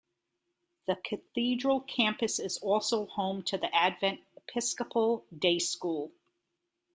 The Cathedral campus is also home to the Advent Episcopal Day School.